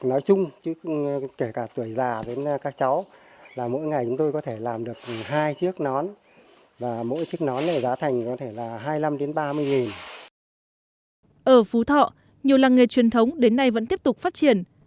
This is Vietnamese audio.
ở phú thọ nhiều làng nghề truyền thống đến nay vẫn tiếp tục phát triển